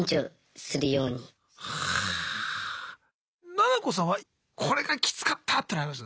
ななこさんはこれがキツかったっていうのあります？